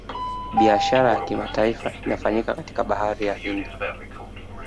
Biashara ya kimataifa inafanyika katika bahari ya hindi